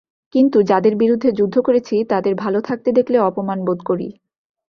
কিন্তু যাদের বিরুদ্ধে যুদ্ধ করেছি তাদের ভালো থাকতে দেখলে অপমান বোধ করি।